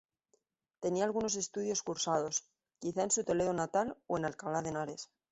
Tenía algunos estudios cursados, quizá en su Toledo natal o en Alcalá de Henares.